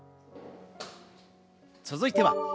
続いては。